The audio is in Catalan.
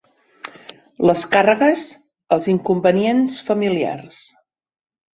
Les càrregues, els inconvenients, familiars.